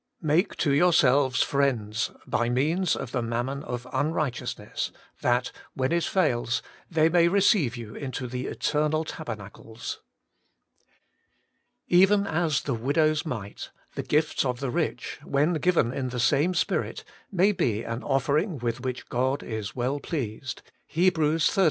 ' Make to your selves friends by means of the mammon of unrighteousness, that, when it fails, they may receive you into the eternal taber nacles.' Even as the widow's mite, the gifts of the rich, when given in the same spirit, may be an offering with which God is well pleased (Heb. xiii.